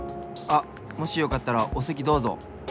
あっもしよかったらおせきどうぞ。